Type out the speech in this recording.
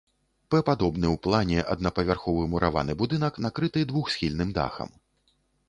П-падобны ў плане аднапавярховы мураваны будынак накрыты двухсхільным дахам.